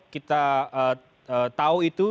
kita tahu itu